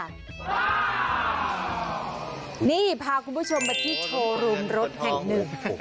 นี่พาคุณผู้ชมมาที่โชว์รูมรถแห่งหนึ่ง